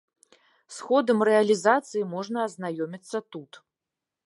З ходам рэалізацыі можна азнаёміцца тут.